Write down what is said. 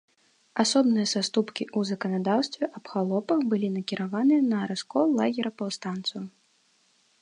Асобныя саступкі ў заканадаўстве аб халопах былі накіраваны на раскол лагера паўстанцаў.